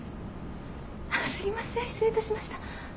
すいません失礼いたしました。